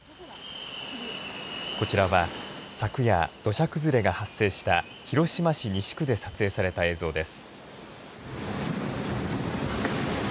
こちらは、昨夜土砂崩れが発生した広島市西区で撮影された映像です。